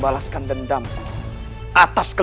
pelijkiah pelatih lu yang menjerat ny teu